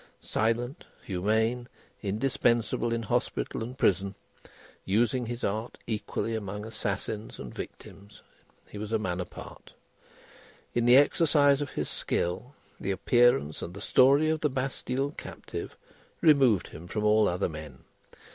Silent, humane, indispensable in hospital and prison, using his art equally among assassins and victims, he was a man apart. In the exercise of his skill, the appearance and the story of the Bastille Captive removed him from all other men.